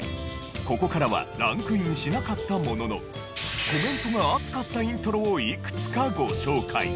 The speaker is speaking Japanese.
ここからはランクインしなかったもののコメントが熱かったイントロをいくつかご紹介。